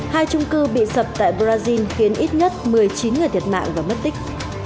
hai trung cư bị sập tại brazil khiến ít nhất một mươi chín người thiệt mạng và mất tích